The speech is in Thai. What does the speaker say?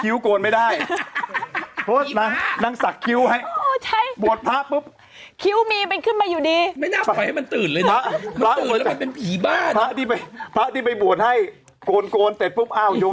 เออที่ใส่อยู่นี้เลย